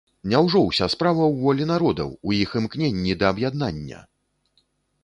Няўжо ўся справа ў волі народаў, у іх імкненні да аб'яднання!